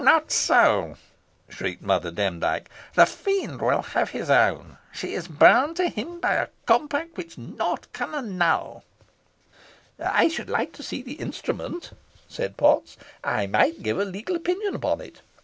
"Not so!" shrieked Mother Demdike; "the Fiend will have his own. She is bound to him by a compact which nought can annul." "I should like to see the instrument," said Potts. "I might give a legal opinion upon it.